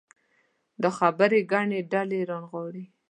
دا خبرې ګڼې ډلې راونغاړي.